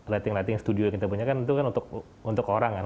latting latting studio yang kita punya kan itu kan untuk orang kan